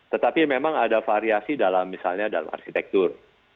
tetapi memang ada variasi dalam misalnya dalam arsitektur